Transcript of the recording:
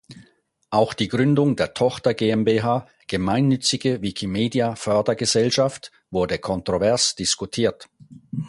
Auch die Gründung der Tochter-GmbH „Gemeinnützige Wikimedia Fördergesellschaft“ wurde kontrovers diskutiert.